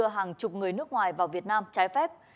hàng chục người nước ngoài vào việt nam trái phép